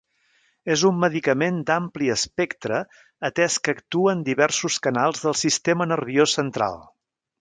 És un medicament d'ampli espectre atès que actua en diversos canals del sistema nerviós central.